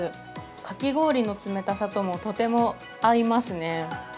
かき氷の冷たさともとても合いますね。